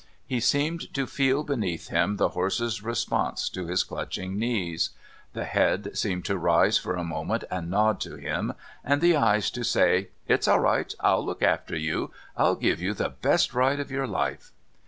He seemed to feel beneath him the horse's response to his clutching knees, the head seemed to rise for a moment and nod to him and the eyes to say: "It's all right. I'll look after you. I'll give you the best ride of your life!"